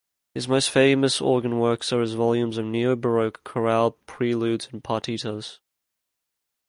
His most famous organ works are his volumes of neo-Baroque chorale preludes and partitas.